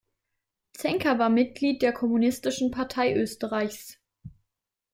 Zenker war Mitglied der Kommunistischen Partei Österreichs.